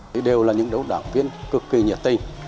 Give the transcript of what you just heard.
thì đều là những đấu đảng viên cực kỳ nhiệt tình